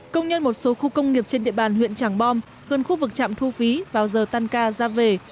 công nhân một số khu công nghiệp trên địa bàn huyện trảng bom gần khu vực trạm thu phí vào giờ tan ca ra về